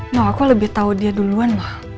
no aku lebih tahu dia duluan no